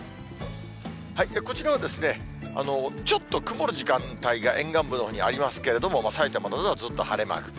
こちらはですね、ちょっと曇る時間帯が沿岸部のほうにありますけれども、さいたまなどはずっと晴れマーク。